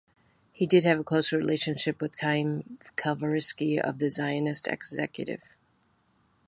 He did have a close relationship with Chaim Kalvarisky of the Zionist Executive.